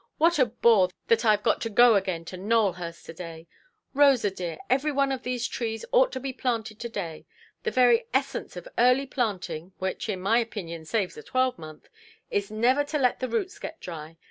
What a bore that Iʼve got to go again to Nowelhurst to–day! Rosa, dear; every one of these trees ought to be planted to–day. The very essence of early planting (which in my opinion saves a twelvemonth) is never to let the roots get dry.